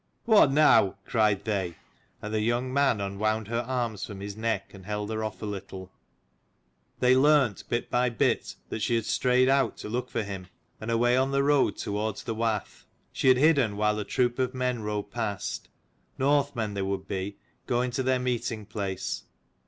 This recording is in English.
"What now?" cried they, and the young man unwound her arms from his neck, and held her off a little. They learnt bit by bit that she had strayed out to look for him, and away on the road toward the wath. She had hidden while a troop of men rode past, Northmen they would be, going to their meeting place.